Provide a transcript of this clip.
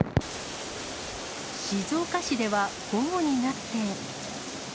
静岡市では午後になって。